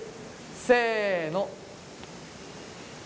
せの。